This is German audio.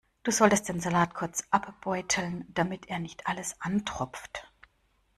Du solltest den Salat kurz abbeuteln, damit er nicht alles antropft.